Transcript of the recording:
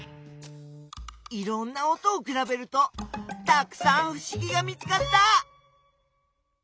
いろんな音をくらべるとたくさんふしぎが見つかった！